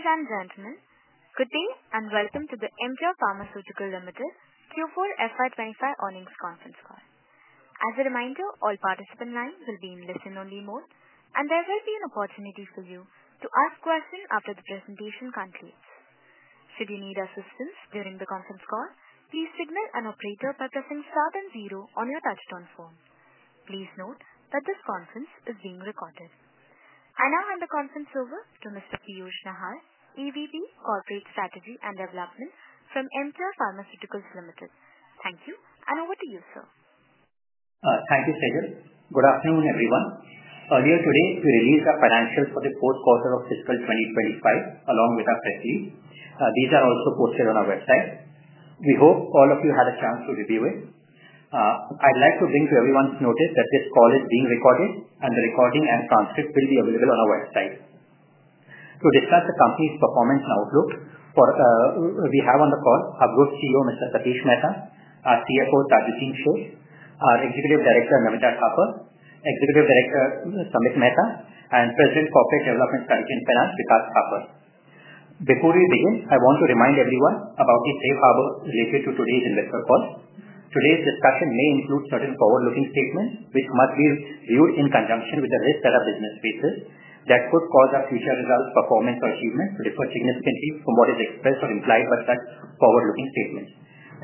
Even Zainat Man, good day and welcome to the Emcure Pharmaceuticals Limited Q4 FY 2025 earnings conference call. As a reminder, all participant lines will be in listen-only mode, and there will be an opportunity for you to ask questions after the presentation concludes. Should you need assistance during the conference call, please signal an operator by pressing star then zero on your touch-tone phone. Please note that this conference is being recorded. I now hand the conference over to Mr. Piyush Nahar, EVP, Corporate Strategy and Development from Emcure Pharmaceuticals Limited. Thank you, and over to you, sir. Thank you, Operator. Good afternoon, everyone. Earlier today, we released our financials for the fourth quarter of fiscal 2025, along with our press release. These are also posted on our website. We hope all of you had a chance to review it. I'd like to bring to everyone's notice that this call is being recorded, and the recording and transcript will be available on our website. To discuss the company's performance and outlook, we have on the call our Group CEO, Mr. Satish Mehta, our CFO, Tajuddin Shaikh, our Executive Director, Namita Thapar, Executive Director, Samit Mehta, and President, Corporate Development Strategy and Finance, Vikas Thapar. Before we begin, I want to remind everyone about the safe harbor related to today's investor call. Today's discussion may include certain forward-looking statements, which must be viewed in conjunction with the risk that our business faces that could cause our future results, performance, or achievement to differ significantly from what is expressed or implied by such forward-looking statements.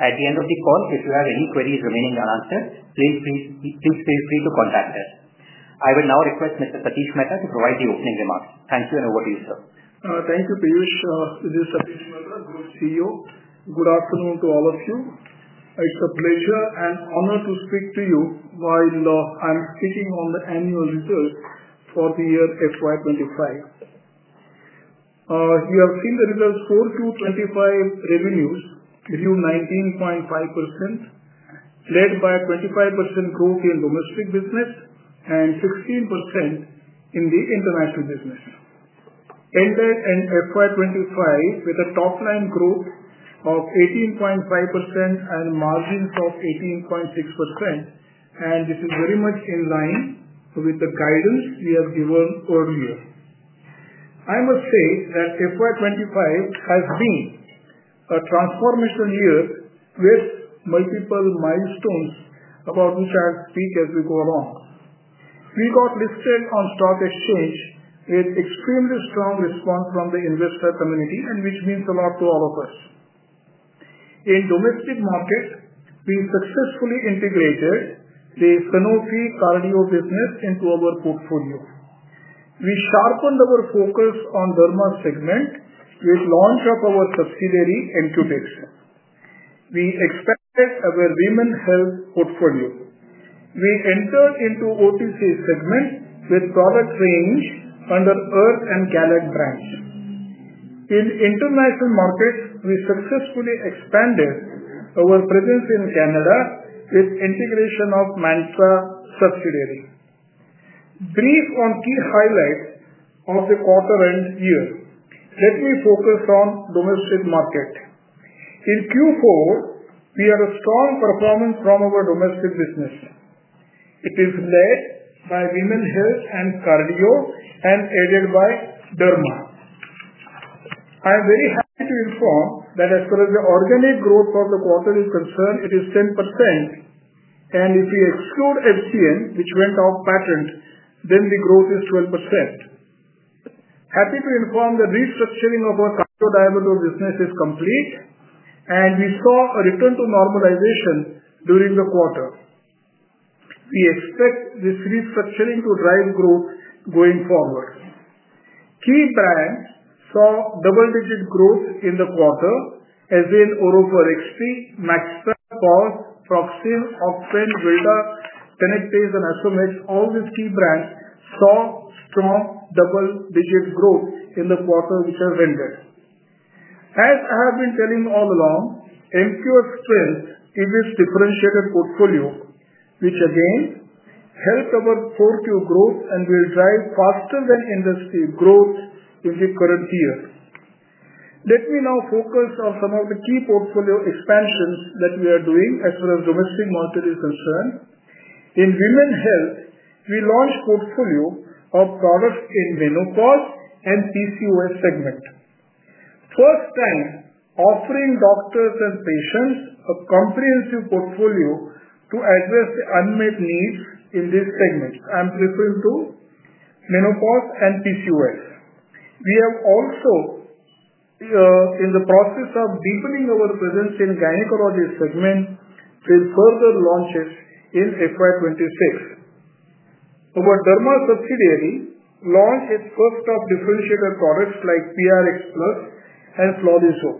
At the end of the call, if you have any queries remaining unanswered, please feel free to contact us. I will now request Mr. Satish Mehta to provide the opening remarks. Thank you, and over to you, sir. Thank you, Piyush. This is Satish Mehta, Group CEO. Good afternoon to all of you. It's a pleasure and honor to speak to you while I'm speaking on the annual results for the year FY 2025. You have seen the results: INR 4,225 crore revenues, viewed 19.5%, led by 25% growth in domestic business and 16% in the international business. Ended in FY 2025 with a top-line growth of 18.5% and margins of 18.6%, and this is very much in line with the guidance we have given earlier. I must say that FY 2025 has been a transformation year with multiple milestones about which I'll speak as we go along. We got listed on stock exchange with extremely strong response from the investor community, which means a lot to all of us. In domestic market, we successfully integrated the Sanofi cardio business into our portfolio. We sharpened our focus on the derma segment with the launch of our subsidiary, Enqutex. We expanded our women's health portfolio. We entered into the OTC segment with a product range under the Earth and Gala brand. In international markets, we successfully expanded our presence in Canada with the integration of the Mantra subsidiary. Brief on key highlights of the quarter and year. Let me focus on the domestic market. In Q4, we had a strong performance from our domestic business. It is led by women's health and cardio and aided by derma. I'm very happy to inform that as far as the organic growth of the quarter is concerned, it is 10%, and if we exclude HCM, which went off patent, then the growth is 12%. Happy to inform that the restructuring of our cardio-diabetes business is complete, and we saw a return to normalization during the quarter. We expect this restructuring to drive growth going forward. Key brands saw double-digit growth in the quarter, as in Oropho XT, Maxpro, POS, Proxim, Oxfam, Velta, Tenexte, and Somex. All these key brands saw strong double-digit growth in the quarter which has ended. As I have been telling all along, Emcure's strength is its differentiated portfolio, which again helped our Q4 growth and will drive faster-than-industry growth in the current year. Let me now focus on some of the key portfolio expansions that we are doing as far as domestic market is concerned. In women's health, we launched a portfolio of products in menopause and PCOS segment. First-time offering doctors and patients a comprehensive portfolio to address the unmet needs in these segments. I'm referring to menopause and PCOS. We are also in the process of deepening our presence in gynaecology segment with further launches in FY 2026. Our derma subsidiary launched its first of differentiated products like PRX Plus and Flonisol.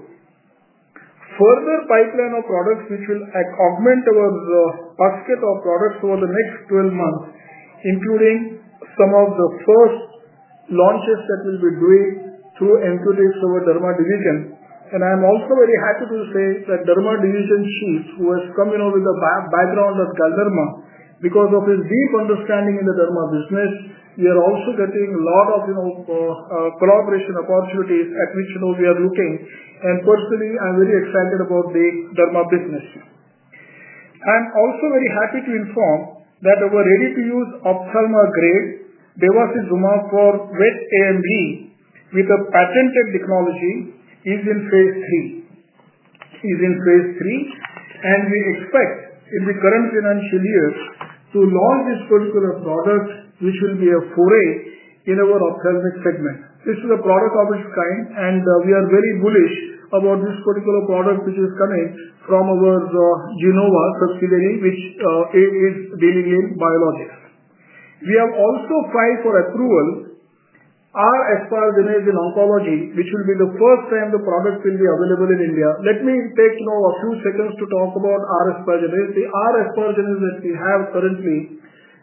Further pipeline of products which will augment our basket of products over the next 12 months, including some of the first launches that we'll be doing through Enqutex, our derma division. I am also very happy to say that derma division chief, who has come with a background at Galderma because of his deep understanding in the derma business, we are also getting a lot of collaboration opportunities at which we are looking. I am personally very excited about the derma business. I am also very happy to inform that our ready-to-use ophthalmologic Devasizumab for wet AMD with a patented technology is in phase three. It is in phase III, and we expect in the current financial year to launch this particular product, which will be a foray in our ophthalmic segment. This is a product of its kind, and we are very bullish about this particular product which is coming from our Genova subsidiary, which is dealing in biologics. We have also filed for approval. Our asparaginase in oncology, which will be the first time the product will be available in India. Let me take a few seconds to talk about our asparaginase. The asparaginase that we have currently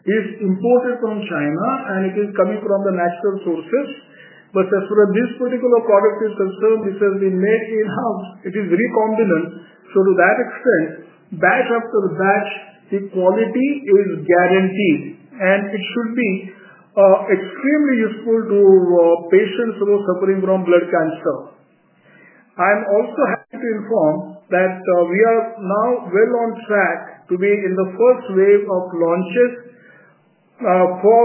is imported from China, and it is coming from the natural sources. As far as this particular product is concerned, this has been made in-house. It is very convenient. To that extent, batch after batch, the quality is guaranteed, and it should be extremely useful to patients who are suffering from blood cancer. I'm also happy to inform that we are now well on track to be in the first wave of launches for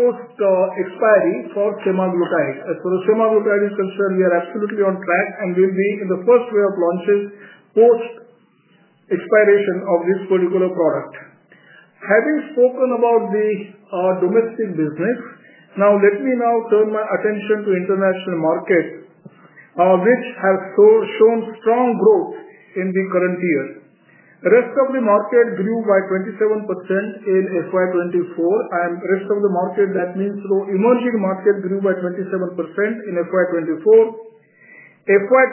post-expiry for semaglutide. As far as semaglutide is concerned, we are absolutely on track and will be in the first wave of launches post-expiration of this particular product. Having spoken about the domestic business, now let me turn my attention to the international market, which has shown strong growth in the current year. The rest of the market grew by 27% in FY 2024. The rest of the market, that means through emerging market, grew by 27% in FY 2024. FY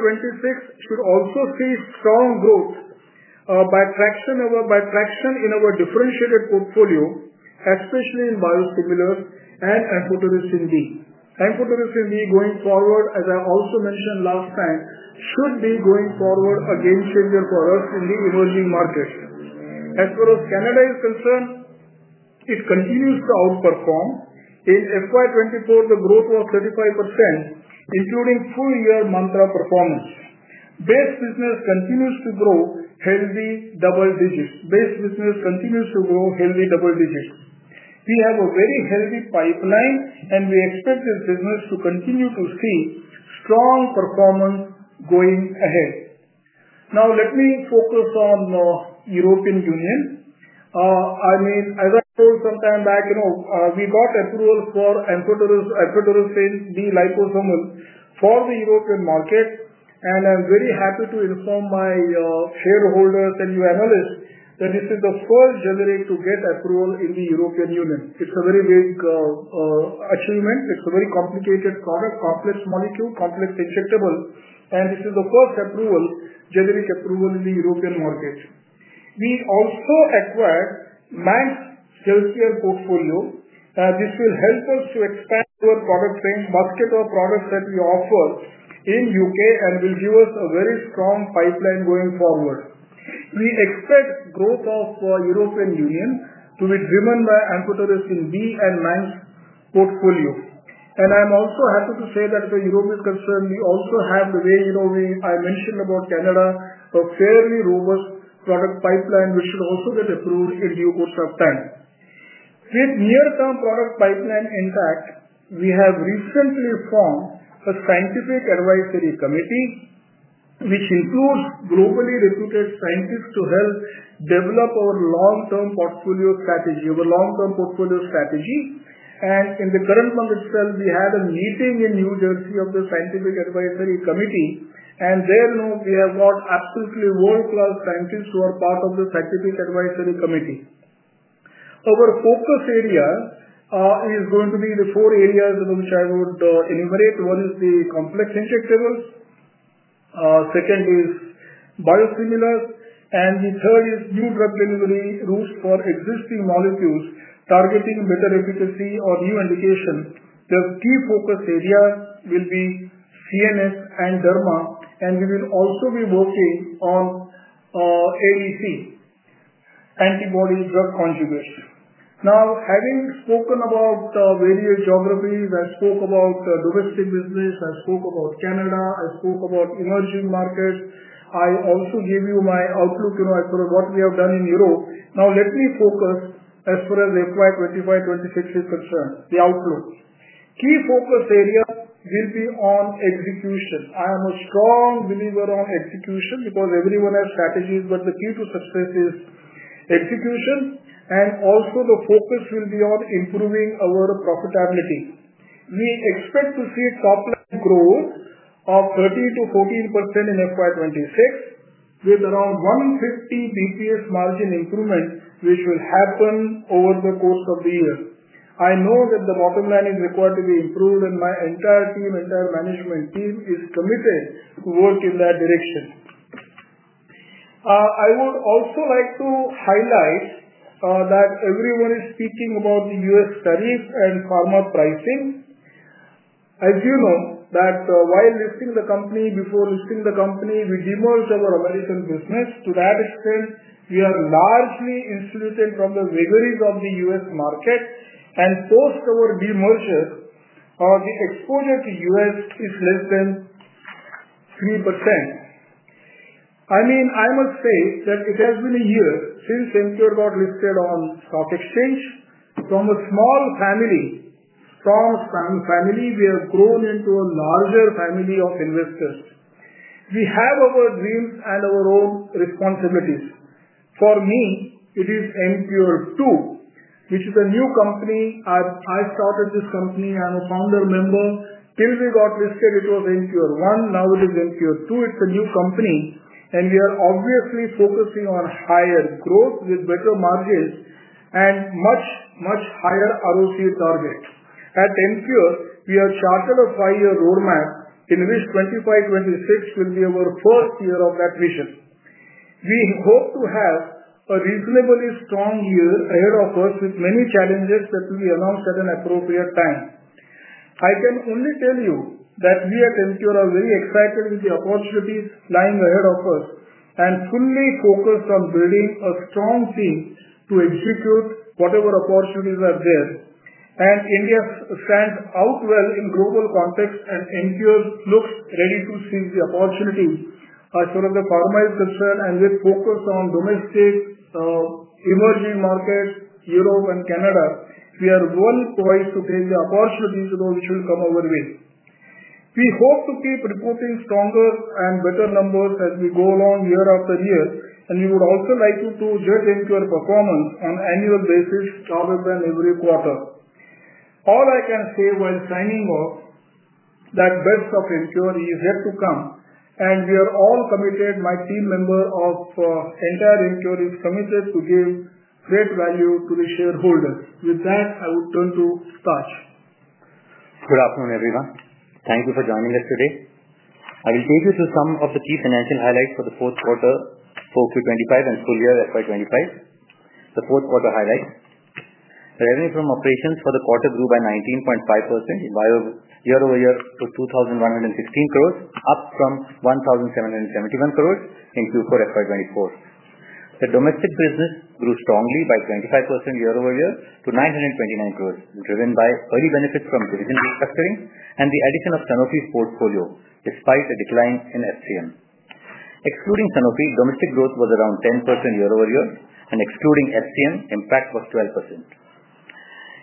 2026 should also see strong growth by traction in our differentiated portfolio, especially in biosimilars and amphotericin B. Amphotericin B going forward, as I also mentioned last time, should be going forward a game changer for us in the emerging market. As far as Canada is concerned, it continues to outperform. In FY 2024, the growth was 35%, including full-year Mantra performance. Base business continues to grow healthy double digits. Base business continues to grow healthy double digits. We have a very healthy pipeline, and we expect this business to continue to see strong performance going ahead. Now, let me focus on the European Union. I mean, as I told some time back, we got approval for amphotericin B liposomal for the European market, and I'm very happy to inform my shareholders and you analysts that this is the first generic to get approval in the European Union. It's a very big achievement. It's a very complicated product, complex molecule, complex injectable, and this is the first generic approval in the European market. We also acquired Manx Healthcare portfolio. This will help us to expand our product range, basket of products that we offer in the U.K., and will give us a very strong pipeline going forward. We expect growth of the European Union to be driven by amphotericin B and Manx portfolio. I am also happy to say that as far as the European is concerned, we also have, the way I mentioned about Canada, a fairly robust product pipeline which should also get approved in due course of time. With near-term product pipeline intact, we have recently formed a scientific advisory committee which includes globally reputed scientists to help develop our long-term portfolio strategy. Our long-term portfolio strategy, and in the current month itself, we had a meeting in New Jersey of the scientific advisory committee, and there we have got absolutely world-class scientists who are part of the scientific advisory committee. Our focus area is going to be the four areas which I would enumerate. One is the complex injectables. Second is biosimilars, and the third is new drug delivery routes for existing molecules targeting better efficacy or new indication. The key focus areas will be CNS and derma, and we will also be working on ADC, antibody-drug conjugates. Now, having spoken about various geographies, I spoke about domestic business, I spoke about Canada, I spoke about emerging markets. I also gave you my outlook as far as what we have done in Europe. Now, let me focus as far as FY 2025-FY 2026 is concerned, the outlook. Key focus area will be on execution. I am a strong believer in execution because everyone has strategies, but the key to success is execution, and also the focus will be on improving our profitability. We expect to see a top-line growth of 13%-14% in FY 2026 with around 150 basis points margin improvement, which will happen over the course of the year. I know that the bottom line is required to be improved, and my entire team, entire management team is committed to work in that direction. I would also like to highlight that everyone is speaking about the U.S. tariff and pharma pricing. As you know, while listing the company, before listing the company, we demerged our American business. To that extent, we are largely instigated from the vagaries of the U.S. market, and post our demerger, the exposure to U.S. is less than 3%. I mean, I must say that it has been a year since Emcure got listed on stock exchange. From a small family, we have grown into a larger family of investors. We have our dreams and our own responsibilities. For me, it is Emcure 2, which is a new company. I started this company. I'm a founder member. Till we got listed, it was Emcure 1. Now it is Emcure 2. It is a new company, and we are obviously focusing on higher growth with better margins and much, much higher ROC target. At Emcure, we have charted a five-year roadmap in which 2025-2026 will be our first year of that vision. We hope to have a reasonably strong year ahead of us with many challenges that will be announced at an appropriate time. I can only tell you that we at Emcure are very excited with the opportunities lying ahead of us and fully focused on building a strong team to execute whatever opportunities are there. India stands out well in global context, and Emcure looks ready to seize the opportunity. As far as the pharma is concerned, and with focus on domestic emerging markets, Europe, and Canada, we are well poised to take the opportunities which will come our way. We hope to keep reporting stronger and better numbers as we go along year after year, and we would also like you to judge Emcure's performance on an annual basis rather than every quarter. All I can say while signing off is that the best of Emcure is yet to come, and we are all committed. My team member of entire Emcure is committed to give great value to the shareholders. With that, I would turn to Taj. Good afternoon, everyone. Thank you for joining us today. I will take you through some of the key financial highlights for the fourth quarter, 4Q 2025, and full-year FY 2025. The fourth quarter highlights: Revenue from operations for the quarter grew by 19.5% year-over-year to 2,116 crore, up from 1,771 crore in Q4 FY 2024. The domestic business grew strongly by 25% year-over-year to 9.29 billion crore, driven by early benefits from division restructuring and the addition of Sanofi's portfolio, despite a decline in HCM. Excluding Sanofi, domestic growth was around 10% year-over-year, and excluding HCM, impact was 12%.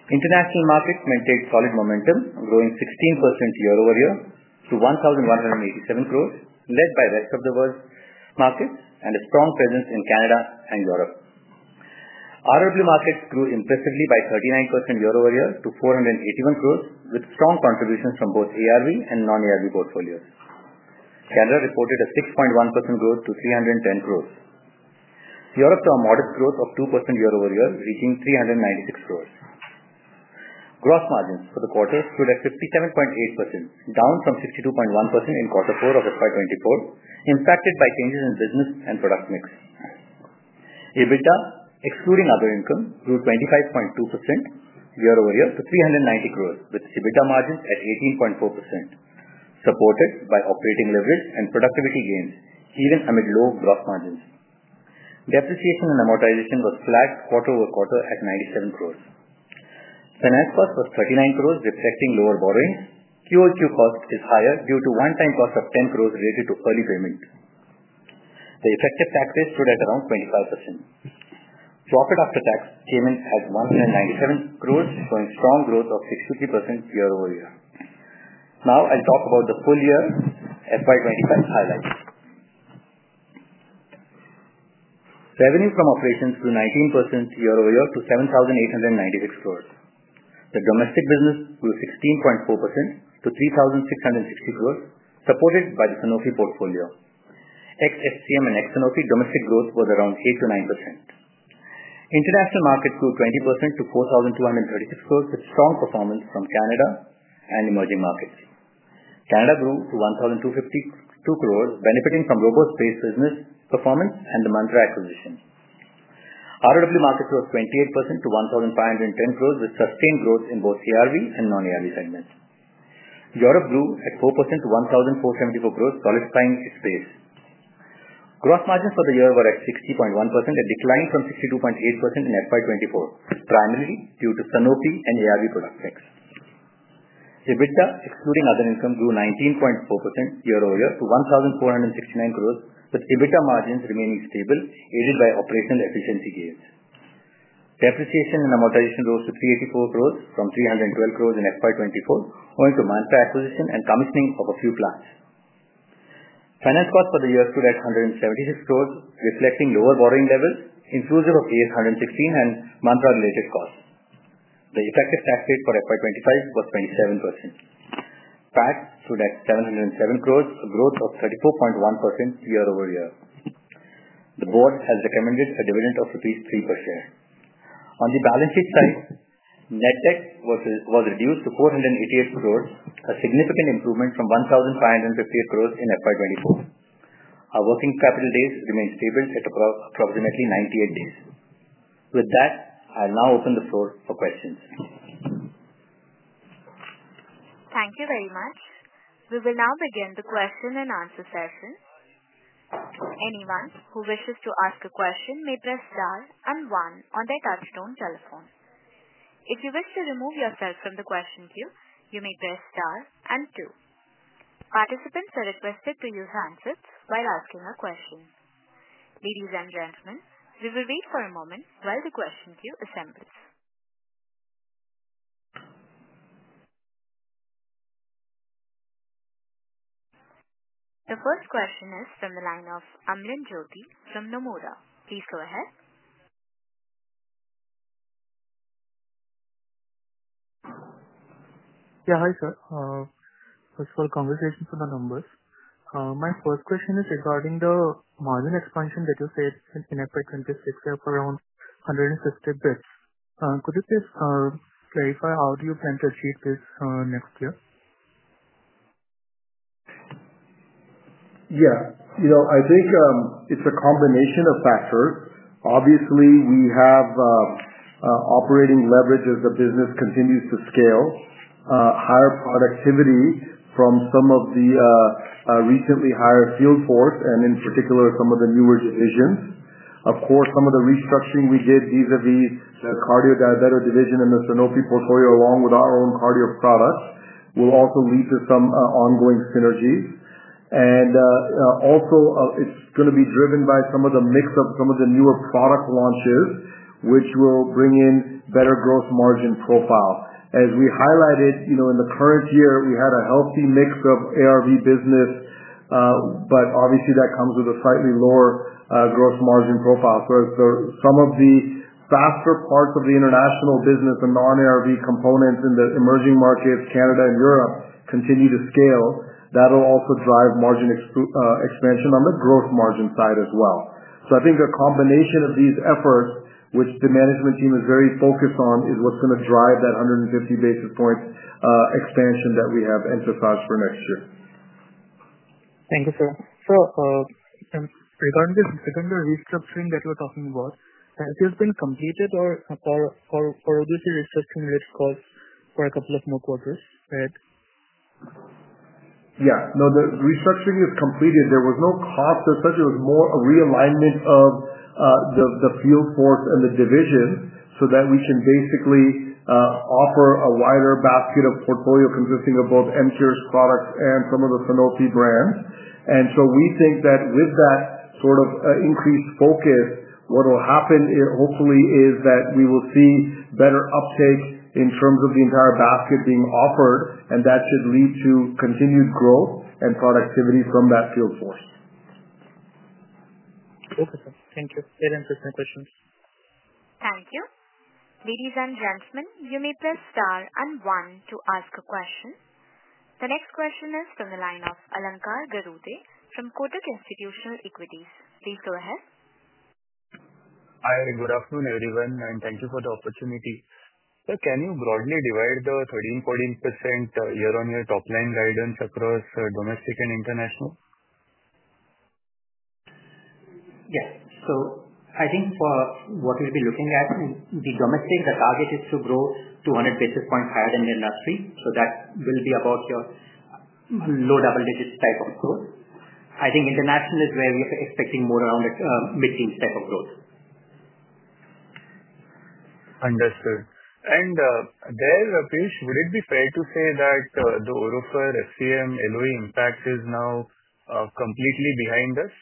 International markets maintained solid momentum, growing 16% year-over-year to 11.87 billion crore, led by rest of the world markets and a strong presence in Canada and Europe. RW markets grew impressively by 39% year-over-year to 4.81 billion crore, with strong contributions from both ARV and non-ARV portfolios. Canada reported a 6.1% growth to 3.10 billion crore. Europe saw a modest growth of 2% year-over-year, reaching 3.96 billion crore. Gross margins for the quarter stood at 57.8%, down from 62.1% in quarter four of FY 2024, impacted by changes in business and product mix. EBITDA, excluding other income, grew 25.2% year-over-year to 390 crore, with EBITDA margins at 18.4%, supported by operating leverage and productivity gains, even amid low gross margins. Depreciation and amortization was flat quarter over quarter at 97 crore. Finance cost was 39 crore, reflecting lower borrowings. QOQ cost is higher due to one-time cost of 10 crore related to early payment. The effective tax rate stood at around 25%. Profit after tax came in at 197 crore, showing strong growth of 63% year-over-year. Now, I'll talk about the full-year FY 2025 highlights. Revenue from operations grew 19% year-over-year to 7,896 crore. The domestic business grew 16.4% to 3,660 crore, supported by the Sanofi portfolio. Ex-HCM and ex-Sanofi domestic growth was around 8%-9%. International markets grew 20% to 4,236 crore, with strong performance from Canada and emerging markets. Canada grew to 1,252 crore, benefiting from robust base business performance and the Mantra acquisition. RW markets rose 28% to 1,510 crore, with sustained growth in both ARV and non-ARV segments. Europe grew at 4% to 1,474 crore, solidifying its base. Gross margins for the year were at 60.1%, a decline from 62.8% in FY 2024, primarily due to Sanofi and ARV product mix. EBITDA, excluding other income, grew 19.4% year-over-year to 1,469 crore, with EBITDA margins remaining stable, aided by operational efficiency gains. Depreciation and amortization rose to 384 crore from 312 crore in FY 2024, owing to Mantra acquisition and commissioning of a few plants. Finance cost for the year stood at 176 crore, reflecting lower borrowing levels, inclusive of AS 116 and Mantra-related costs. The effective tax rate for FY 2025 was 27%. PAT stood at 707 crore, a growth of 34.1% year-over-year. The board has recommended a dividend of rupees 3 per share. On the balance sheet side, net debt was reduced to 488 crore, a significant improvement from 1,558 crore in FY 2024. Our working capital days remained stable at approximately 98 days. With that, I'll now open the floor for questions. Thank you very much. We will now begin the question and answer session. Anyone who wishes to ask a question may press star and one on their touchstone telephone. If you wish to remove yourself from the question queue, you may press star and two. Participants are requested to use handsets while asking a question. Ladies and gentlemen, we will wait for a moment while the question queue assembles. The first question is from the line of Amlan Jyoti from Nomura. Please go ahead. Yeah, hi sir. First of all, congratulations on the numbers. My first question is regarding the margin expansion that you said in FY 2026 of around 150 basis points. Could you please clarify how do you plan to achieve this next year? Yeah. I think it's a combination of factors. Obviously, we have operating leverage as the business continues to scale, higher productivity from some of the recently hired field force, and in particular, some of the newer divisions. Of course, some of the restructuring we did vis-à-vis the cardio-diabetic division and the Sanofi portfolio, along with our own cardio products, will also lead to some ongoing synergies. It is also going to be driven by some of the mix of some of the newer product launches, which will bring in better gross margin profile. As we highlighted in the current year, we had a healthy mix of ARV business, but obviously, that comes with a slightly lower gross margin profile. As some of the faster parts of the international business and non-ARV components in the emerging markets, Canada, and Europe continue to scale, that'll also drive margin expansion on the gross margin side as well. I think a combination of these efforts, which the management team is very focused on, is what's going to drive that 150 basis points expansion that we have emphasized for next year. Thank you, sir. Regarding the restructuring that you were talking about, has it been completed or will this be restructuring-related cost for a couple of more quarters, right? Yeah. No, the restructuring is completed. There was no cost as such. It was more a realignment of the field force and the division so that we can basically offer a wider basket of portfolio consisting of both Emcure's products and some of the Sanofi brands. We think that with that sort of increased focus, what will happen, hopefully, is that we will see better uptake in terms of the entire basket being offered, and that should lead to continued growth and productivity from that field force. Okay, sir. Thank you. Very interesting questions. Thank you. Ladies and gentlemen, you may press star and one to ask a question. The next question is from the line of Alankar Garude from Kotak Institutional Equities. Please go ahead. Hi, good afternoon, everyone, and thank you for the opportunity. Sir, can you broadly divide the 13%-14% year-on-year top-line guidance across domestic and international? Yes. I think for what we will be looking at, the domestic, the target is to grow 200 basis points higher than the industry. That will be about your low double-digit type of growth. I think international is where we are expecting more around a mid-teens type of growth. Understood. And there, Piyush, would it be fair to say that the Orufer, HCM, LOE impact is now completely behind us?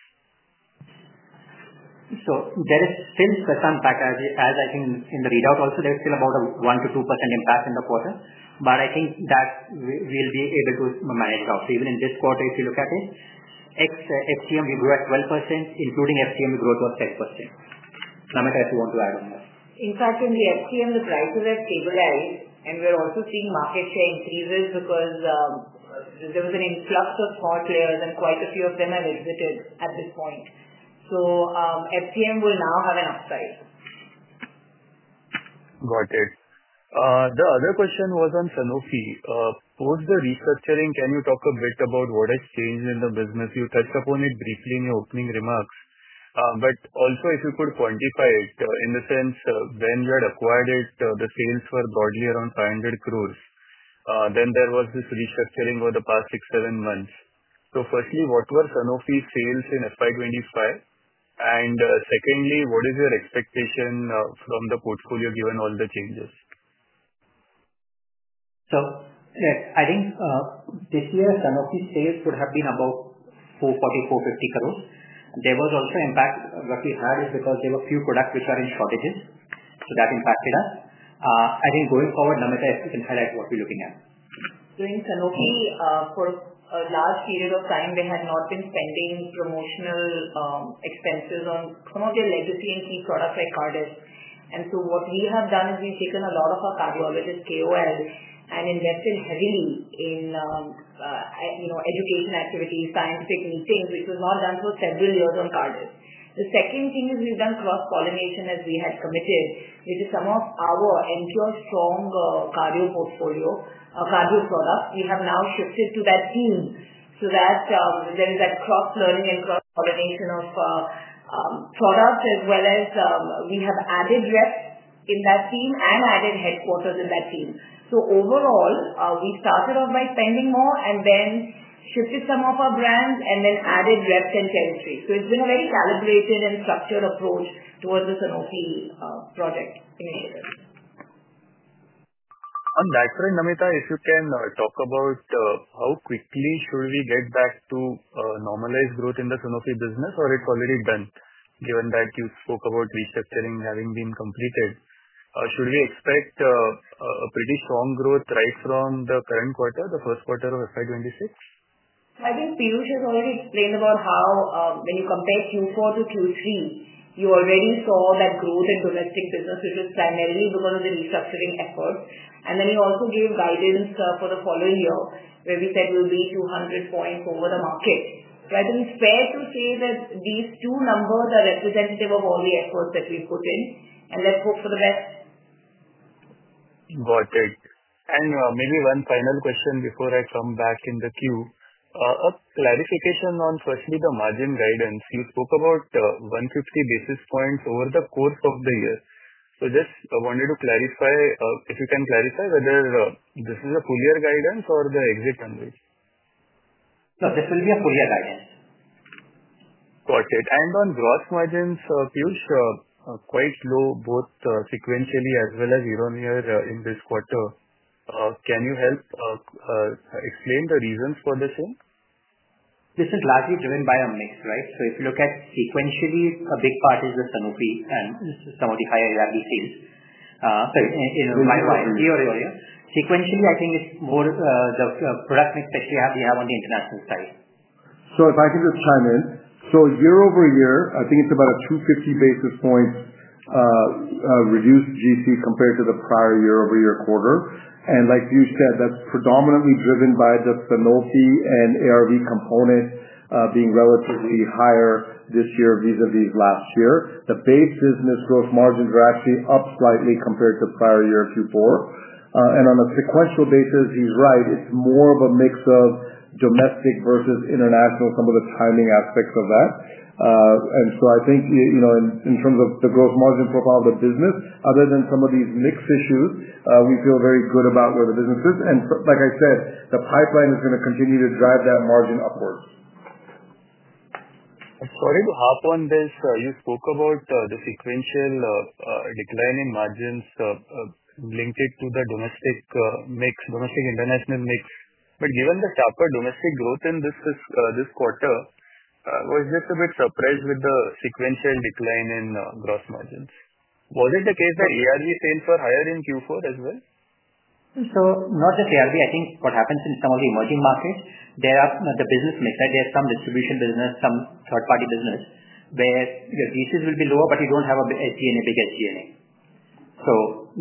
There is still some impact, as I think in the readout also, there is still about a 1%-2% impact in the quarter. I think that we will be able to manage it out. Even in this quarter, if you look at it, HCM, we grew at 12%, including HCM, we grew to 10%. Namita, if you want to add on that. In fact, in the HCM, the prices have stabilized, and we are also seeing market share increases because there was an influx of smart players, and quite a few of them have exited at this point. HCM will now have an upside. Got it. The other question was on Sanofi. Post the restructuring, can you talk a bit about what has changed in the business? You touched upon it briefly in your opening remarks. Also, if you could quantify it, in the sense when you had acquired it, the sales were broadly around 500 crore. There was this restructuring over the past six-seven months. Firstly, what were Sanofi's sales in FY 2025? Secondly, what is your expectation from the portfolio given all the changes? I think this year, Sanofi's sales would have been about 440 crore-450 crore. There was also impact. What we had is because there were a few products which are in shortages. That impacted us. I think going forward, Namita, if you can highlight what we're looking at. In Sanofi, for a large period of time, they had not been spending promotional expenses on some of their legacy and key products like Cardiff. What we have done is we've taken a lot of our cardio-related KOLs and invested heavily in education activities, scientific meetings, which was not done for several years on Cardiff. The second thing is we've done cross-pollination, as we had committed, which is some of our Emcure strong cardio portfolio, cardio products. We have now shifted to that team so that there is that cross-learning and cross-pollination of products, as well as we have added reps in that team and added headquarters in that team. Overall, we started off by spending more and then shifted some of our brands and then added reps and territory. It's been a very calibrated and structured approach towards the Sanofi project initiative. That's right, Namita. If you can talk about how quickly should we get back to normalized growth in the Sanofi business, or it's already done, given that you spoke about restructuring having been completed? Should we expect a pretty strong growth right from the current quarter, the first quarter of FY 2026? I think Piyush has already explained about how when you compare Q4 to Q3, you already saw that growth in domestic business, which was primarily because of the restructuring efforts. He also gave guidance for the following year, where we said we'll be 200 basis points over the market. I think it's fair to say that these two numbers are representative of all the efforts that we've put in, and let's hope for the best. Got it. Maybe one final question before I come back in the queue. A clarification on firstly the margin guidance. You spoke about 150 basis points over the course of the year. Just wanted to clarify if you can clarify whether this is a full-year guidance or the exit numbers. No, this will be a full-year guidance. Got it. On gross margins, Piyush, quite low both sequentially as well as year-on-year in this quarter. Can you help explain the reasons for the change? This is largely driven by a mix, right? If you look at sequentially, a big part is the Sanofi and some of the higher ARV sales. Sorry, in my volume or area? Sequentially, I think it is more the product mix, especially as we have on the international side. If I can just chime in. Year-over-year, I think it is about a 250 basis points reduced GC compared to the prior year-over-year quarter. Like you said, that's predominantly driven by the Sanofi and ARV component being relatively higher this year vis-à-vis last year. The base business gross margins are actually up slightly compared to prior year Q4. On a sequential basis, he's right. It's more of a mix of domestic versus international, some of the timing aspects of that. I think in terms of the gross margin profile of the business, other than some of these mix issues, we feel very good about where the business is. Like I said, the pipeline is going to continue to drive that margin upwards. Sorry, to hop on this, you spoke about the sequential decline in margins linked to the domestic mix, domestic-international mix. Given the sharper domestic growth in this quarter, was this a bit surprised with the sequential decline in gross margins? Was it the case that ARV sales were higher in Q4 as well? So not just ARV. I think what happens in some of the emerging markets, there are the business mix, right? There is some distribution business, some third-party business where your GCs will be lower, but you do not have a big HCMA. So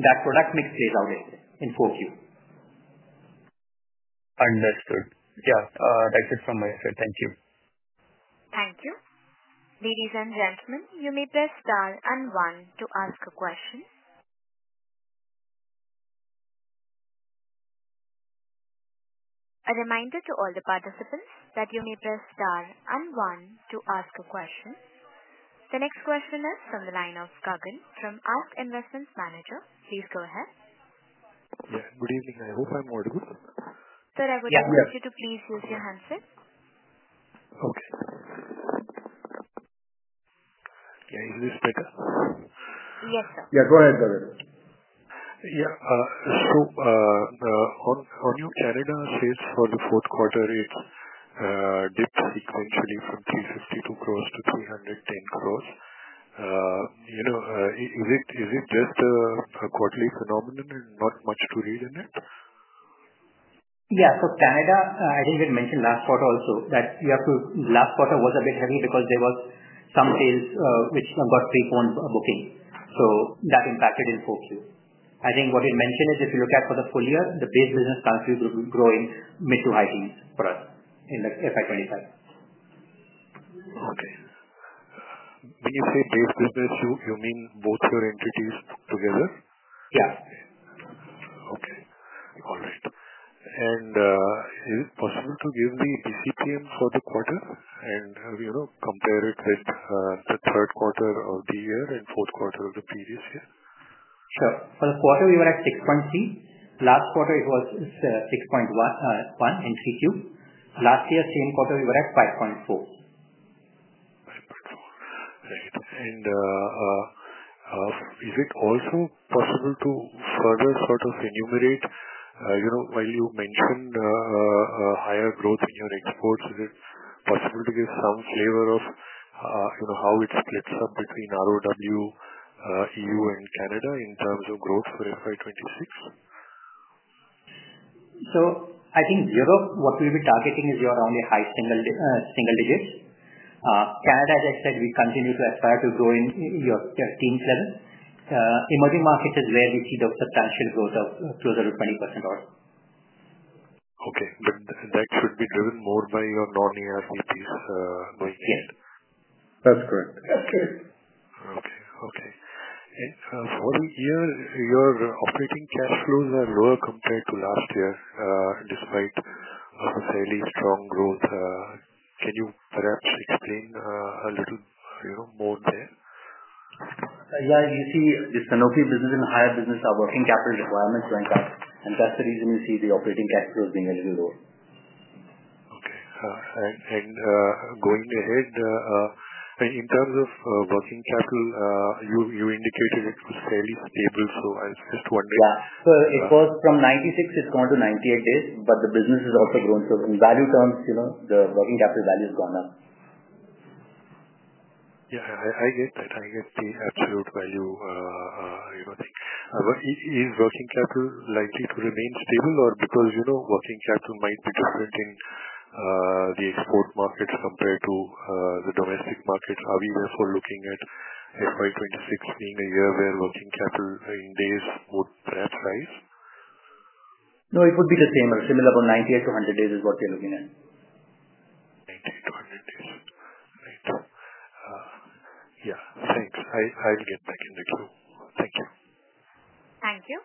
that product mix plays out in full view. Understood. Yeah. That is it from my side. Thank you. Thank you. Ladies and gentlemen, you may press star and one to ask a question. A reminder to all the participants that you may press star and one to ask a question. The next question is from the line of Gagan from Ask Investments Manager. Please go ahead. Yeah. Good evening. I hope I am audible. Sir, I would like you to please use your handset. Okay. Yeah. Is this better? Yes, sir. Yeah. Go ahead, Gagan. Yeah. On your Canada sales for the fourth quarter, it dipped sequentially from 352 crore to 310 crore. Is it just a quarterly phenomenon and not much to read in it? Yeah. For Canada, I think you had mentioned last quarter also that last quarter was a bit heavy because there were some sales which got pre-phone booking. That impacted in full view. I think what you mentioned is if you look at for the full year, the base business count will be growing mid to high teens for us in FY 2025. Okay. When you say base business, you mean both your entities together? Yeah. Okay. All right. Is it possible to give the eCPM for the quarter and compare it with the third quarter of the year and fourth quarter of the previous year? Sure. For the quarter, we were at 6.3%. Last quarter, it was 6.1% in Q3. Last year, same quarter, we were at 5.4%. 5.4%. Right. Is it also possible to further sort of enumerate, while you mentioned higher growth in your exports, is it possible to give some flavor of how it splits up between ROW, EU, and Canada in terms of growth for FY 2026? I think Europe, what we will be targeting is around the high single digits. Canada, as I said, we continue to aspire to grow in your teens level. Emerging markets is where we see the substantial growth of closer to 20% or. Okay. That should be driven more by your non-ARV piece going ahead. Yes. That is correct. That is correct. Okay. Okay. For the year, your operating cash flows are lower compared to last year despite fairly strong growth. Can you perhaps explain a little more there? Yeah. You see the Sanofi business and higher business are working capital requirements went up, and that's the reason you see the operating cash flows being a little lower. Okay. And going ahead, in terms of working capital, you indicated it was fairly stable. I was just wondering. Yeah. It was from 96, it's gone to 98 days, but the business has also grown. In value terms, the working capital value has gone up. Yeah. I get that. I get the absolute value thing. Is working capital likely to remain stable, or because working capital might be different in the export markets compared to the domestic markets, are we therefore looking at FY 2026 being a year where working capital in days would perhaps rise? No, it would be the same. It's similar, about 98-100 days is what we're looking at. 98-100 days. Right. Yeah. Thanks. I'll get back in the queue. Thank you. Thank you.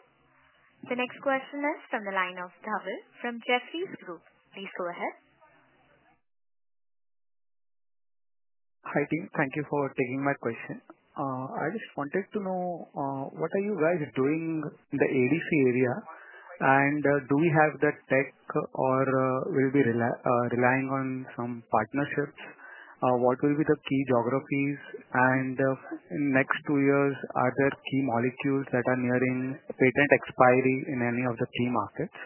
The next question is from the line of Dhawal from Jefferies Group. Please go ahead. Hi, team. Thank you for taking my question. I just wanted to know what are you guys doing in the ADC area, and do we have the tech or will be relying on some partnerships? What will be the key geographies? In the next two years, are there key molecules that are nearing patent expiry in any of the key markets?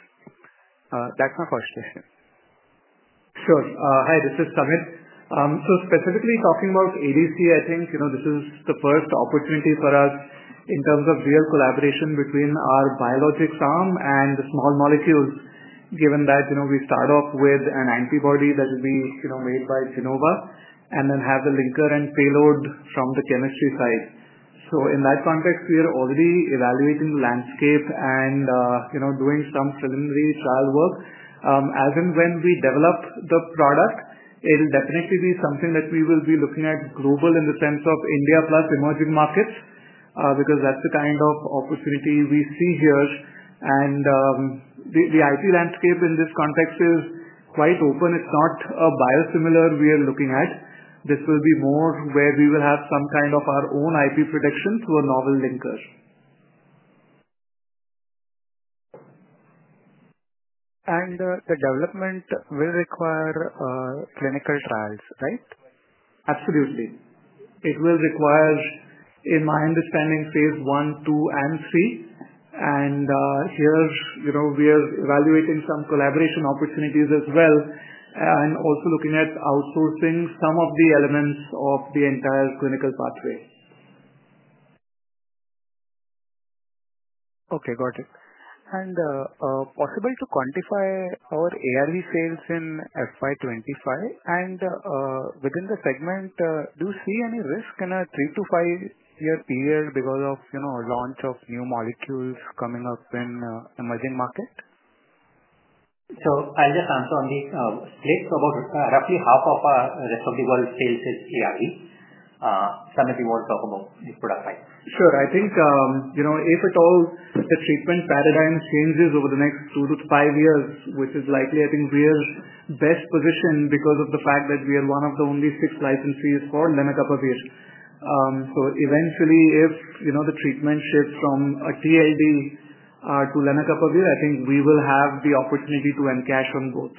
That's my first question. Sure. Hi, this is Samit. Specifically talking about ADC, I think this is the first opportunity for us in terms of real collaboration between our biologics arm and the small molecules, given that we start off with an antibody that will be made by Genova and then have the linker and payload from the chemistry side. In that context, we are already evaluating the landscape and doing some preliminary trial work. As and when we develop the product, it will definitely be something that we will be looking at global in the sense of India plus emerging markets because that is the kind of opportunity we see here. The IP landscape in this context is quite open. It is not a biosimilar we are looking at. This will be more where we will have some kind of our own IP protection through a novel linker. The development will require clinical trials, right? Absolutely. It will require, in my understanding, phase one, two, and three. Here we are evaluating some collaboration opportunities as well and also looking at outsourcing some of the elements of the entire clinical pathway. Okay. Got it. Possible to quantify our ARV sales in FY 2025? Within the segment, do you see any risk in a three- to five-year period because of launch of new molecules coming up in emerging market? I 'll just answer on the split. About roughly half of our rest of the world sales is ARV. Samit, you want to talk about the product type? Sure. I think if at all the treatment paradigm changes over the next two to five years, which is likely, I think we are best positioned because of the fact that we are one of the only six licensees for Lenacapavir. Eventually, if the treatment shifts from a TLD to Lenacapavir, I think we will have the opportunity to encash on both.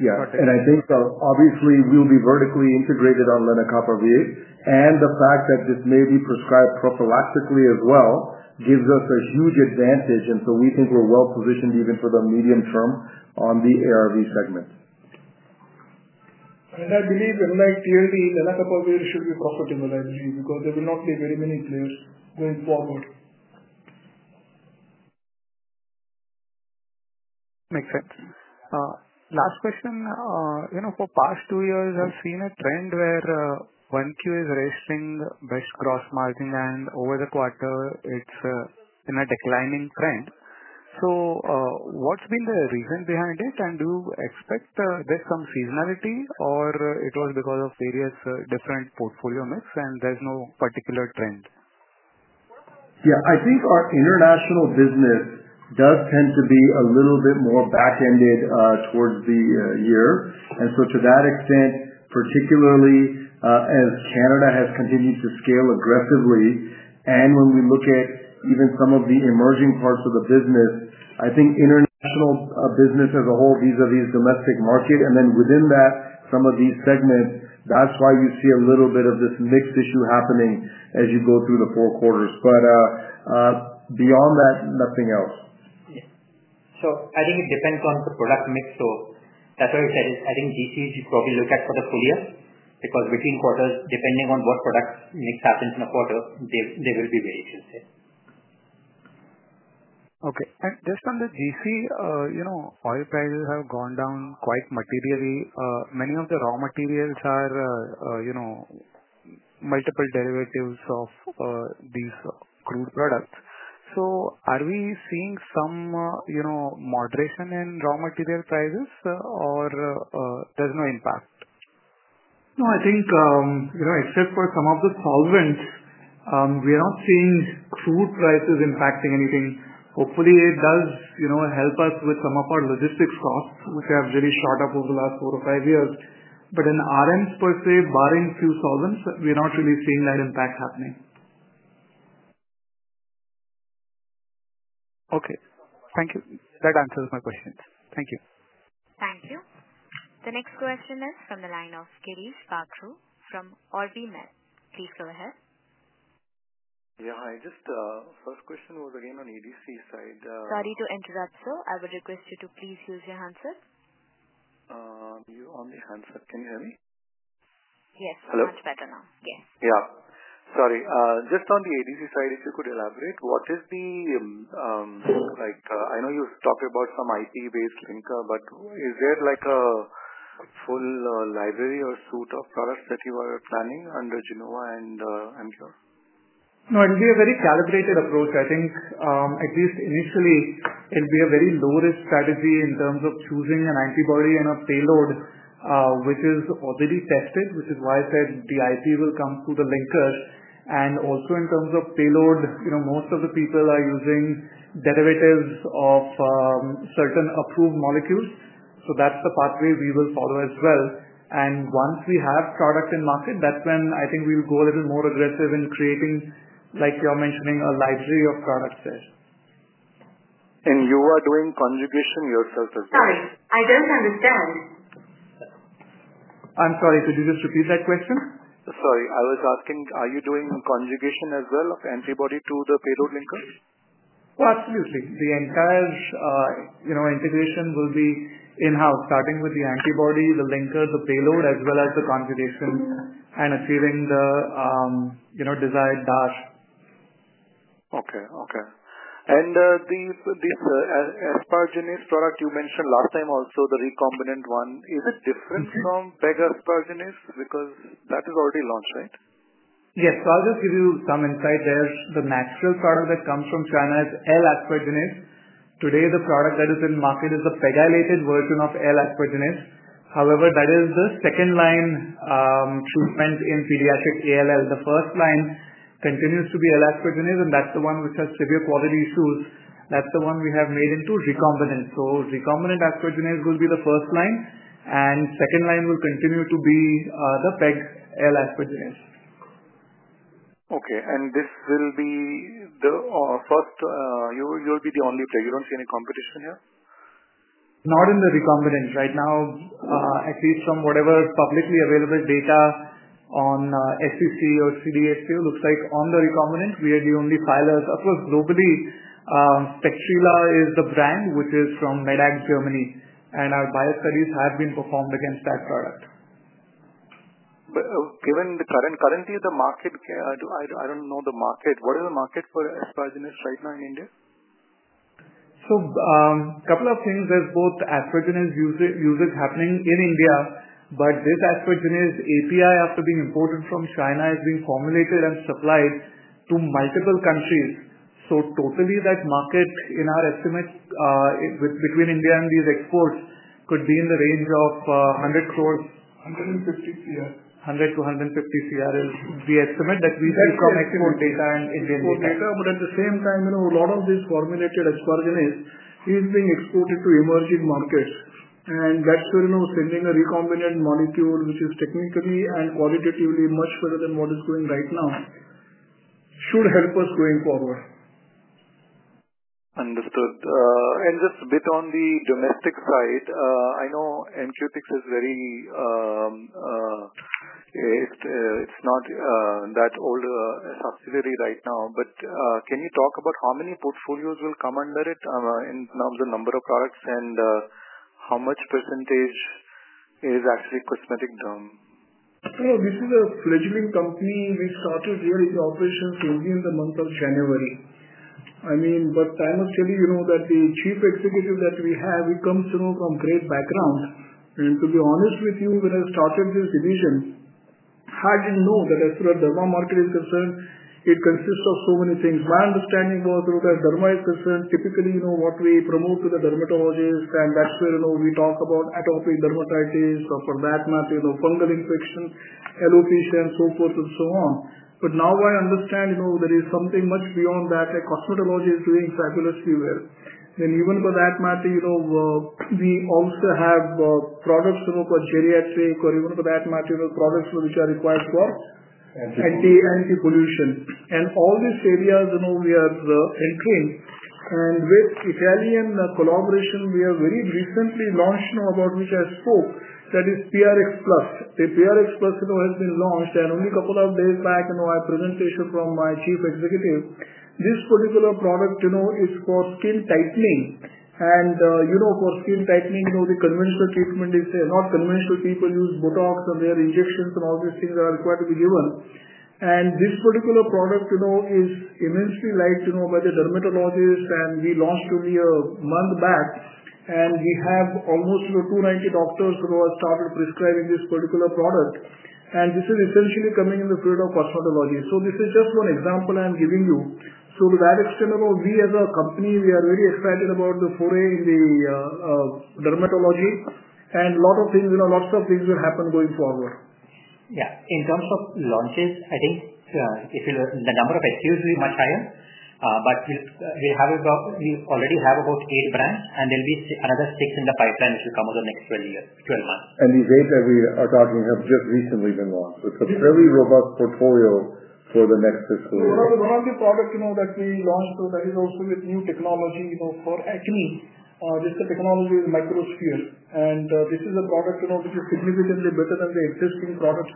Yeah. I think obviously we'll be vertically integrated on Lenacapavir. The fact that this may be prescribed prophylactically as well gives us a huge advantage. We think we're well positioned even for the medium term on the ARV segment. I believe in the next year, the Lenacapavir should be profitable, I believe, because there will not be very many players going forward. Makes sense. Last question. For the past two years, I've seen a trend where 1Q is registering the best gross margin, and over the quarter, it's in a declining trend. What's been the reason behind it? Do you expect there's some seasonality, or it was because of various different portfolio mix, and there's no particular trend? Yeah. I think our international business does tend to be a little bit more back-ended towards the year. To that extent, particularly as Canada has continued to scale aggressively, and when we look at even some of the emerging parts of the business, I think international business as a whole vis-à-vis domestic market, and then within that, some of these segments, that's why you see a little bit of this mix issue happening as you go through the four quarters. Beyond that, nothing else. I think it depends on the product mix. That's why I said I think GCs you probably look at for the full year because between quarters, depending on what product mix happens in a quarter, they will be varied, you'll see. Okay. Just on the GC, oil prices have gone down quite materially. Many of the raw materials are multiple derivatives of these crude products. Are we seeing some moderation in raw material prices, or there's no impact? No, I think except for some of the solvents, we are not seeing crude prices impacting anything. Hopefully, it does help us with some of our logistics costs, which have really shot up over the last four or five years. In RMs per se, barring few solvents, we're not really seeing that impact happening. Okay. Thank you. That answers my question. Thank you. Thank you. The next question is from the line of Girish Bakhru from OrbiMed. Please go ahead. Yeah. Hi. First question was again on ADC side. Sorry to interrupt. I would request you to please use your handset. You're on the handset. Can you hear me? Yes. Hello? Much better now. Yes. Yeah. Sorry. Just on the ADC side, if you could elaborate, what is the I know you talked about some IP-based linker, but is there a full library or suite of products that you are planning under Genova and MDR? No, it'll be a very calibrated approach. I think at least initially, it'll be a very low-risk strategy in terms of choosing an antibody and a payload which is already tested, which is why I said the IP will come through the linkers. Also in terms of payload, most of the people are using derivatives of certain approved molecules. That is the pathway we will follow as well. Once we have product in market, that's when I think we'll go a little more aggressive in creating, like you're mentioning, a library of products there. You are doing conjugation yourself as well? Sorry. I don't understand. I'm sorry. Could you just repeat that question? Sorry. I was asking, are you doing conjugation as well of antibody to the payload linker? Oh, absolutely. The entire integration will be in-house, starting with the antibody, the linker, the payload, as well as the conjugation and achieving the desired dash. Okay. Okay. And the Asparaginase product you mentioned last time, also the recombinant one, is it different from PEG Asparaginase because that is already launched, right? Yes. So I'll just give you some insight there. The natural product that comes from China is L-Asparaginase. Today, the product that is in market is the PEG-ylated version of L-Asparaginase. However, that is the second-line treatment in pediatric ALL. The first line continues to be L-Asparaginase, and that's the one which has severe quality issues. That's the one we have made into recombinant. Recombinant Asparaginase will be the first line, and second line will continue to be the PEG L-Asparaginase. Okay. This will be the first, you'll be the only player. You do not see any competition here? Not in the recombinant. Right now, at least from whatever publicly available data on SCC or CDH2, it looks like on the recombinant, we are the only filers. Of course, globally, Spectrila is the brand which is from Medac Germany, and our bio studies have been performed against that product. Given the current currency, the market, I do not know the market. What is the market for Asparaginase right now in India? A couple of things. There is both Asparaginase usage happening in India, but this Asparaginase API, after being imported from China, is being formulated and supplied to multiple countries. Totally, that market, in our estimates, between India and these exports, could be in the range of 100 crore-150 crore. 100 crore to 150 crore. The estimate that we see from export data and Indian data. Export data. At the same time, a lot of this formulated Asparaginase is being exported to emerging markets. That's where sending a recombinant molecule, which is technically and qualitatively much further than what is going right now, should help us going forward. Understood. Just a bit on the domestic side, I know Emcutix is very, it's not that old a subsidiary right now, but can you talk about how many portfolios will come under it in terms of the number of products and how much percentage is actually cosmetic derma? This is a fledgling company. We started its operations early in the month of January. I mean, but I must tell you that the chief executive that we have, he comes from great background. And to be honest with you, when I started this division, I didn't know that as far as derma market is concerned, it consists of so many things. My understanding was that derma is concerned typically what we promote to the dermatologists, and that's where we talk about atopic dermatitis or for that matter, fungal infection, alopecia, and so forth and so on. Now I understand there is something much beyond that that cosmetology is doing fabulously well. Even for that matter, we also have products for geriatric or even for that matter, products which are required for anti-pollution. All these areas we are entering. With Italian collaboration, we have very recently launched about which I spoke, that is PRX Plus. The PRX Plus has been launched, and only a couple of days back, I presented from my Chief Executive. This particular product is for skin tightening. For skin tightening, the conventional treatment is not conventional. People use Botox, and they have injections, and all these things are required to be given. This particular product is immensely liked by the dermatologists, and we launched only a month back. We have almost 290 doctors who have started prescribing this particular product. This is essentially coming in the field of cosmetology. This is just one example I am giving you. To that extent, we as a company, we are very excited about the foray in the dermatology. A lot of things, lots of things will happen going forward. Yeah. In terms of launches, I think the number of SKUs will be much higher, but we already have about eight brands, and there'll be another six in the pipeline which will come over the next 12 months. These eight that we are talking have just recently been launched. It is a fairly robust portfolio for the next fiscal year. One of the products that we launched is also with new technology for acne. This technology is microsphere. This is a product which is significantly better than the existing products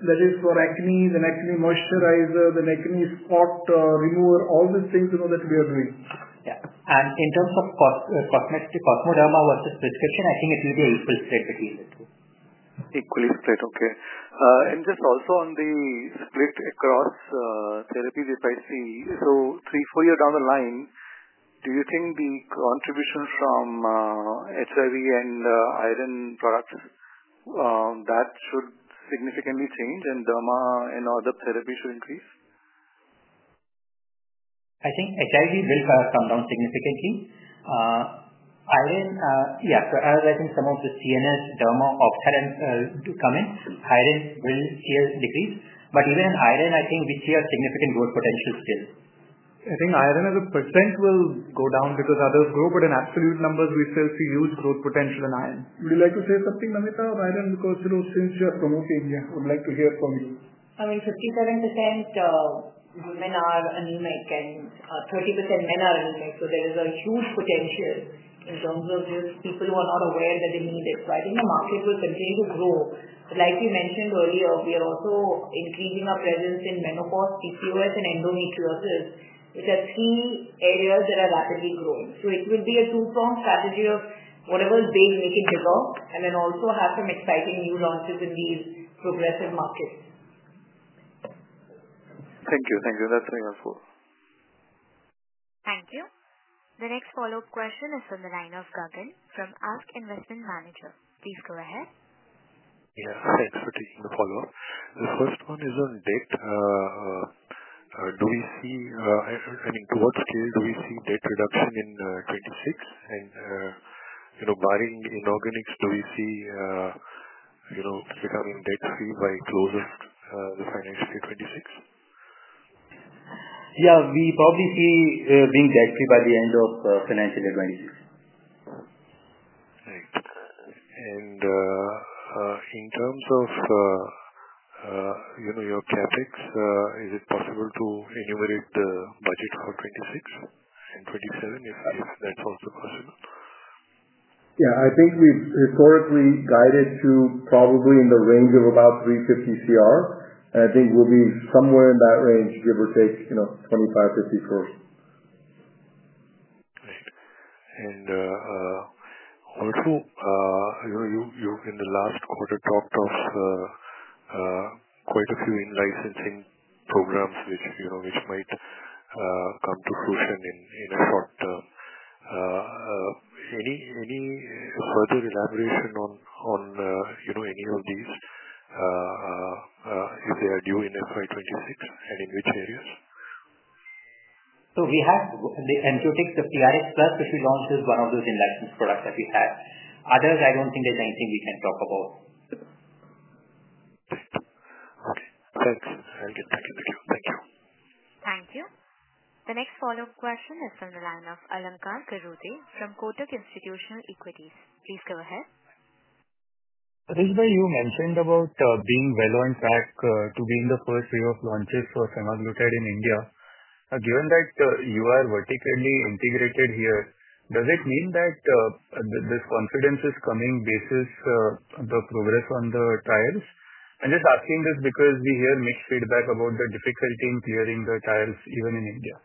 that is for acne, then acne moisturizer, then acne spot remover, all these things that we are doing. Yeah. In terms of cosmetic cosmoderma versus prescription, I think it will be an equal spread between the two. Equally spread. Okay. Just also on the split across therapies, if I see three, four years down the line, do you think the contribution from HIV and iron products should significantly change and derma and other therapies should increase? I think HIV will come down significantly. Iron, yeah. As I think some of the CNS derma option come in, iron will still decrease. Even in iron, I think we see a significant growth potential still. I think iron as a percent will go down because others grow, but in absolute numbers, we still see huge growth potential in iron. Would you like to say something, Namita, on iron? Since you are promoting, I would like to hear from you. I mean, 57% women are anemic, and 30% men are anemic. There is a huge potential in terms of just people who are not aware that they need it. I think the market will continue to grow. Like you mentioned earlier, we are also increasing our presence in menopause, PCOS, and endometriosis, which are three areas that are rapidly growing. It will be a two-pronged strategy of whatever is big, make it bigger, and then also have some exciting new launches in these progressive markets. Thank you. Thank you. That is very helpful. Thank you. The next follow-up question is from the line of Gagan from Ask Investment Manager. Please go ahead. Yeah. Thanks for taking the follow-up. The first one is on debt. Do we see, I mean, to what scale do we see debt reduction in 2026? And barring inorganics, do we see becoming debt-free by closing the financial year 2026? Yeah. We probably see being debt-free by the end of financial year 2026. Right. In terms of your CapEx, is it possible to enumerate the budget for 2026 and 2027 if that is also possible? Yeah. I think we have historically guided to probably in the range of about 350 crore. I think we will be somewhere in that range, give or take INR 25-50 crore. Right. Also, you in the last quarter talked of quite a few in-licensing programs which might come to fruition in the short term. Any further elaboration on any of these if they are due in financial year 2026 and in which areas? We have the Emcutix, the PRX Plus, which we launched as one of those in-licensed products that we have. Others, I do not think there is anything we can talk about. Okay. Thanks. Thank you. Thank you. Thank you. Thank you. The next follow-up question is from the line of Alamkar Kharude from Kotak Institutional Equities. Please go ahead. Rishbhai, you mentioned about being well on track to being the first wave of launches for semaglutide in India. Given that you are vertically integrated here, does it mean that this confidence is coming basis on the progress on the trials? I'm just asking this because we hear mixed feedback about the difficulty in clearing the trials even in India.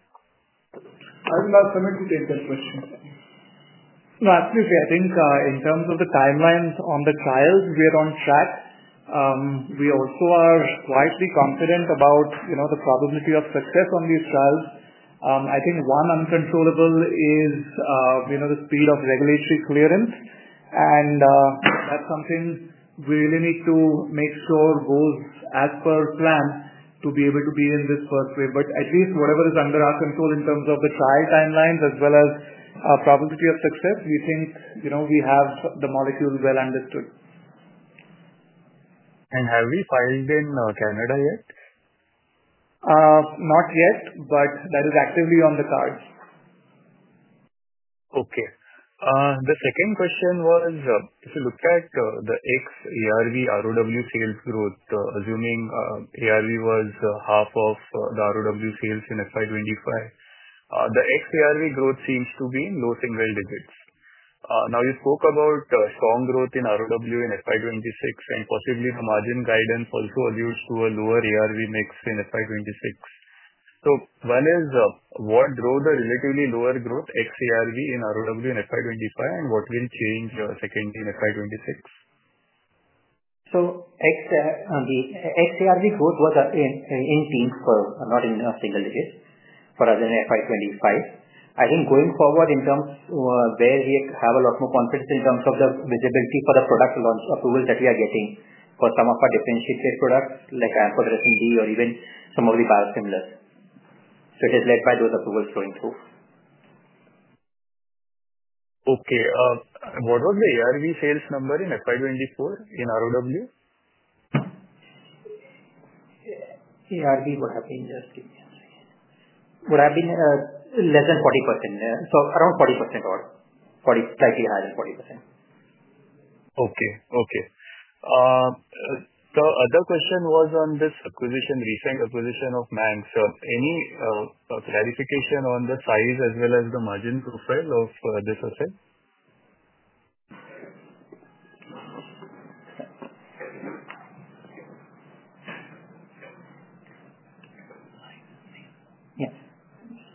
I would love somebody to take that question. No. Absolutely. I think in terms of the timelines on the trials, we are on track. We also are quietly confident about the probability of success on these trials. I think one uncontrollable is the speed of regulatory clearance. That's something we really need to make sure goes as per plan to be able to be in this first wave. At least whatever is under our control in terms of the trial timelines as well as probability of success, we think we have the molecule well understood. Have we filed in Canada yet? Not yet, but that is actively on the cards. Okay. The second question was, if you look at the XARV ROW sales growth, assuming ARV was half of the ROW sales in FY 2025, the XARV growth seems to be in low single digits. You spoke about strong growth in ROW in FY 2026, and possibly the margin guidance also alludes to a lower ARV mix in FY 2026. One is, what drove the relatively lower growth XARV in ROW in FY 2025, and what will change secondly in FY 2026? XARV growth was in pink, not in single digits, but as in FY 2025. I think going forward in terms where we have a lot more confidence in terms of the visibility for the product approvals that we are getting for some of our differentiated products like Amphotericin B or even some of the biosimilars. It is led by those approvals going through. Okay. What was the ARV sales number in FY 2024 in ROW? ARV, what have been? Just give me one second. What have been? Less than 40%. So around 40% odd. Slightly higher than 40%. Okay. Okay. The other question was on this acquisition, recent acquisition of Manx. Any clarification on the size as well as the margin profile of this asset?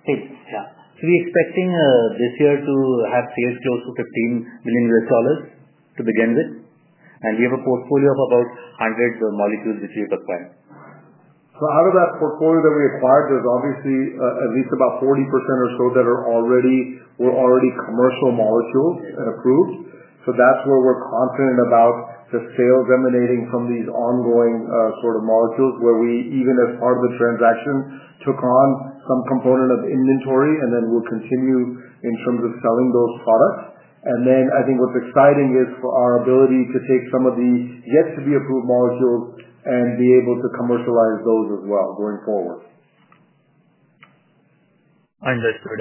Yes. Yeah. We are expecting this year to have sales close to $15 million to begin with. We have a portfolio of about 100 molecules which we have acquired. Out of that portfolio that we acquired, there's obviously at least about 40% or so that are already commercial molecules approved. That's where we're confident about the sales emanating from these ongoing sort of molecules where we even as part of the transaction took on some component of inventory and then will continue in terms of selling those products. I think what's exciting is for our ability to take some of the yet-to-be-approved molecules and be able to commercialize those as well going forward. Understood.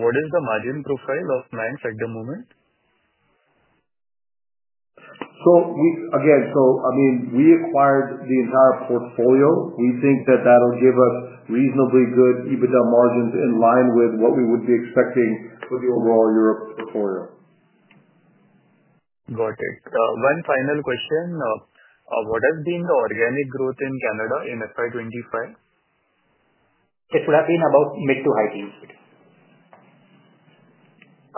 What is the margin profile of Manx at the moment? Again, I mean, we acquired the entire portfolio. We think that that'll give us reasonably good EBITDA margins in line with what we would be expecting for the overall Europe portfolio. Got it. One final question. What has been the organic growth in Canada in FY 2025? It would have been about mid to high teens.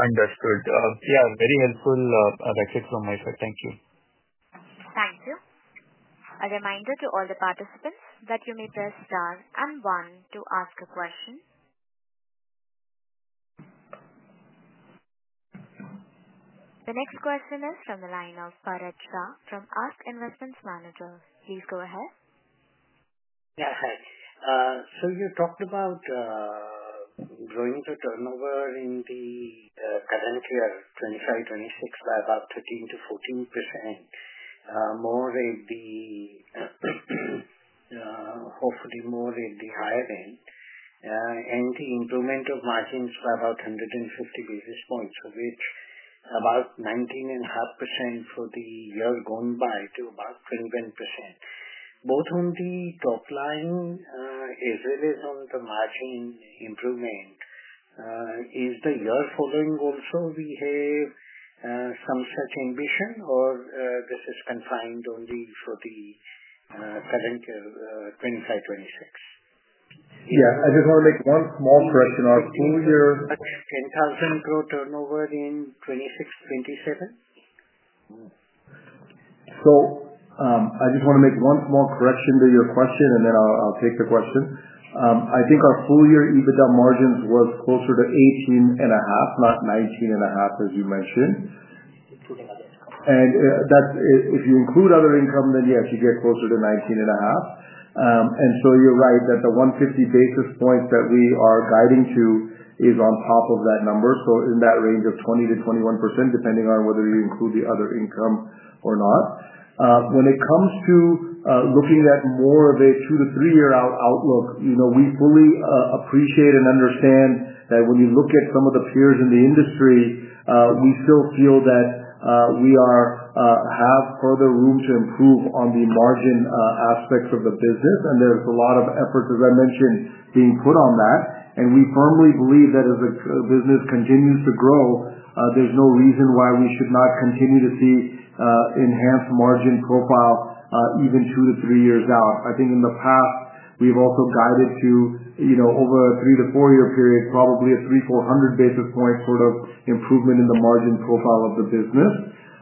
Understood. Yeah. Very helpful backfit from my side. Thank you. Thank you. A reminder to all the participants that you may press star and one to ask a question. The next question is from the line of Shah from Ask Investment Manager. Please go ahead. Yeah. Hi. So you talked about growing the turnover in the current year, 2025, 2026, by about 13-14%, hopefully more in the higher end, and the increment of margins by about 150 basis points, which about 19.5% for the year gone by to about 21%. Both on the top line as well as on the margin improvement, is the year following also we have some such ambition, or this is confined only for the current year 2025, 2026? Yeah. I just want to make one small correction. Our full year—10,000 gross turnover in 2026, 2027? I just want to make one small correction to your question, and then I'll take the question. I think our full year EBITDA margins was closer to 18.5%, not 19.5%, as you mentioned. If you include other income, then yes, you get closer to 19.5%. You're right that the 150 basis points that we are guiding to is on top of that number, in that range of 20%-21%, depending on whether you include the other income or not. When it comes to looking at more of a two to three-year outlook, we fully appreciate and understand that when you look at some of the peers in the industry, we still feel that we have further room to improve on the margin aspects of the business. There is a lot of effort, as I mentioned, being put on that. We firmly believe that as the business continues to grow, there is no reason why we should not continue to see enhanced margin profile even two to three years out. I think in the past, we have also guided to over a three to four-year period, probably a 300-400 basis point sort of improvement in the margin profile of the business.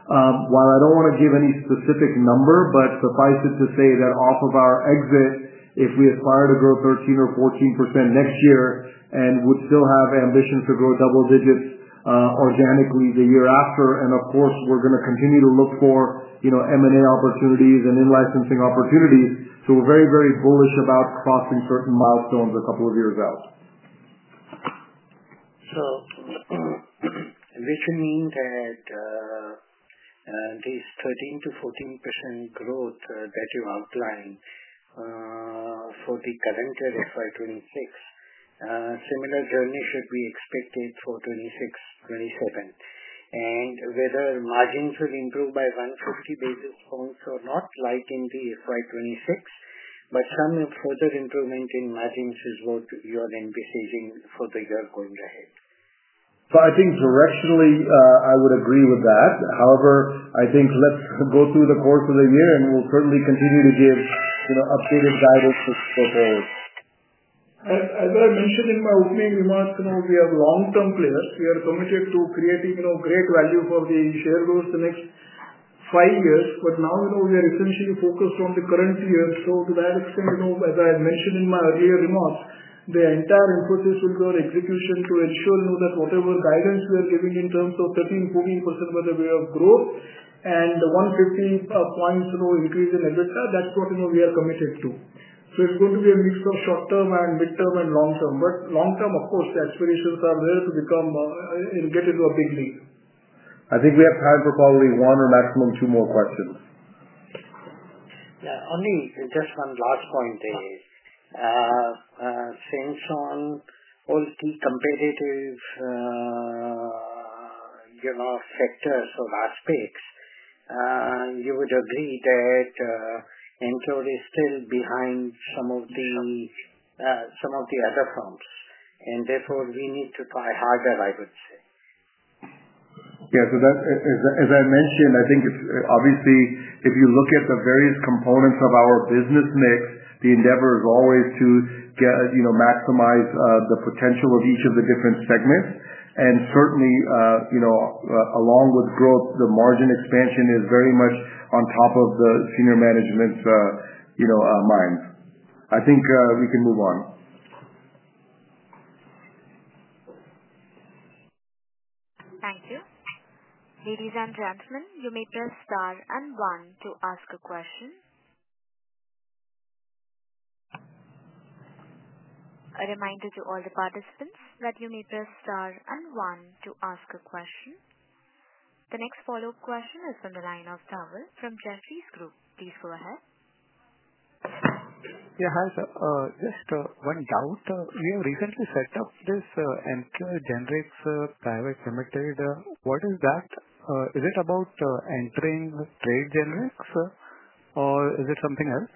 While I don't want to give any specific number, but suffice it to say that off of our exit, if we aspire to grow 13% or 14% next year and would still have ambitions to grow double digits organically the year after, and of course, we're going to continue to look for M&A opportunities and in-licensing opportunities, so we're very, very bullish about crossing certain milestones a couple of years out. Which means that this 13%-14% growth that you outlined for the current year FY 2026, similar journey should be expected for 2026-2027. Whether margins will improve by 150 basis points or not, like in the FY 2026, but some further improvement in margins is what you are envisaging for the year going ahead. I think directionally, I would agree with that. However, I think let's go through the course of the year, and we'll certainly continue to give updated guidance for forward. As I mentioned in my opening remarks, we have long-term players. We are committed to creating great value for the share growth the next five years. Now we are essentially focused on the current year. To that extent, as I mentioned in my earlier remarks, the entire emphasis will be on execution to ensure that whatever guidance we are giving in terms of 13%-40% whether we have growth and 150 basis points increase in EBITDA, that's what we are committed to. It's going to be a mix of short-term and mid-term and long-term. Long-term, of course, the expirations are there to get into a big league. I think we have time for probably one or maximum two more questions. Yeah. Only just one last point there. Since on all key competitive factors or aspects, you would agree that MQ is still behind some of the other firms. Therefore, we need to try harder, I would say. Yeah. As I mentioned, I think it's obviously if you look at the various components of our business mix, the endeavor is always to maximize the potential of each of the different segments. Certainly, along with growth, the margin expansion is very much on top of the senior management's minds. I think we can move on. Thank you. Ladies and gentlemen, you may press star and one to ask a question. A reminder to all the participants that you may press star and one to ask a question. The next follow-up question is from the line of Thawil from Jefferies Group. Please go ahead. Yeah. Hi, sir. Just one doubt. We have recently set up this MQ Generics Private Limited. What is that? Is it about entering trade generics, or is it something else?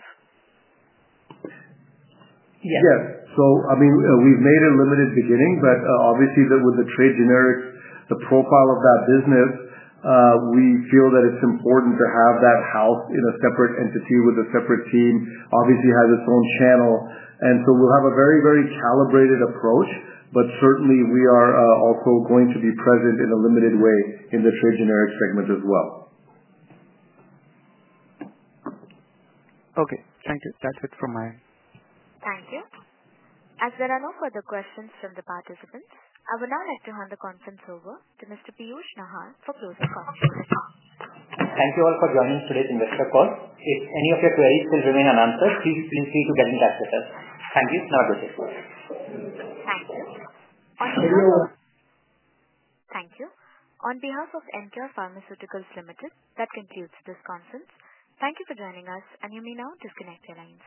Yes. Yeah. So I mean, we've made a limited beginning, but obviously, with the trade generics, the profile of that business, we feel that it's important to have that housed in a separate entity with a separate team. Obviously, it has its own channel. We will have a very, very calibrated approach, but certainly, we are also going to be present in a limited way in the trade generic segment as well. Okay. Thank you. That's it from my end. Thank you. As there are no further questions from the participants, I would now like to hand the conference over to Mr. Piyush Nahar for closing questions. Thank you all for joining today's investor call. If any of your queries still remain unanswered, please feel free to get in touch with us. Thank you. Have a good day. Thank you. On behalf of Emcure Pharmaceuticals, that concludes this conference. Thank you for joining us, and you may now disconnect your line.